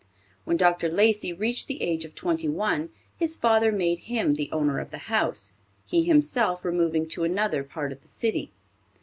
When Dr. Lacey reached the age of twenty one, his father made him the owner of the house, he himself removing to another part of the city.